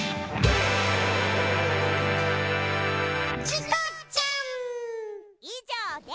チコちゃん。